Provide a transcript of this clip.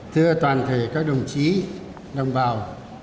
thưa toàn thể các đồng chí đồng bào